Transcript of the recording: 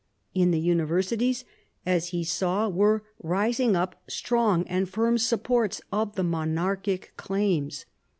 In the universities, as he saw, were rising up strong and firm supports of the monarchic claims.